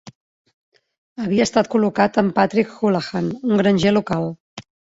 Havia estat col·locat amb Patrick Houlahan, un granger local.